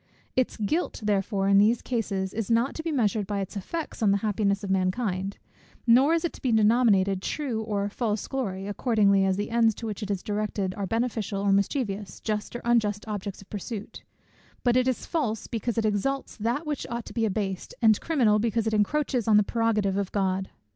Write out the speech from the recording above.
Its guilt therefore in these cases, is not to be measured by its effects on the happiness of mankind; nor is it to be denominated true or false glory, accordingly as the ends to which it is directed are beneficial or mischievous, just or unjust objects of pursuit; but it is false, because it exalts that which ought to be abased, and criminal, because it encroaches on the prerogative of God.